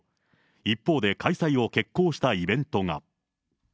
一方で開催を決行したイベントが。